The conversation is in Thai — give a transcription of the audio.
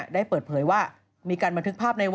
ได้เปิดเผยว่ามีการบันทึกภาพในวัน